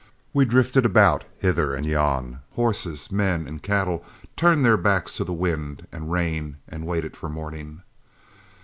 We drifted about hither and yon. Horses, men, and cattle turned their backs to the wind and rain and waited for morning.